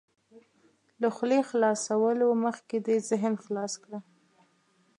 له خولې خلاصولو مخکې دې ذهن خلاص کړه.